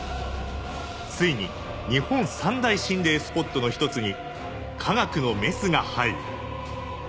ついに日本三大心霊スポットの一つに科学のメスが入る。